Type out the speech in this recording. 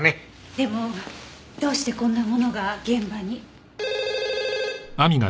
でもどうしてこんなものが現場に？